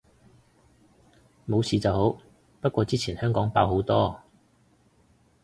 冇事就好，不過之前香港爆好多